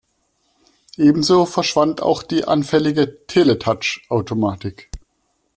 Ebenso verschwand auch die anfällige "Teletouch"-Automatik.